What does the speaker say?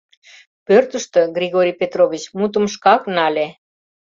Пӧртыштӧ Григорий Петрович мутым шкак нале.